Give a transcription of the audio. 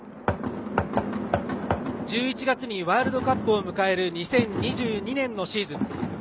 １１月にワールドカップを迎える２０２２年のシーズン。